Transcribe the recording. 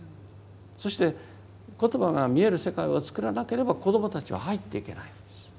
そして言葉が見える世界を作らなければ子どもたちは入っていけないんです。